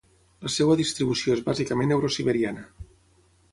La seva distribució és bàsicament eurosiberiana.